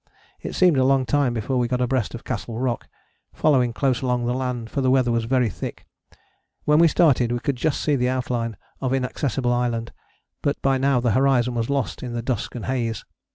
It seemed a long time before we got abreast of Castle Rock, following close along the land for the weather was very thick: when we started we could just see the outline of Inaccessible Island, but by now the horizon was lost in the dusk and haze.